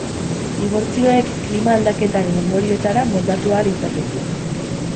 Dibortzioek klima aldaketaren ondorioetara moldatu ahal izateko.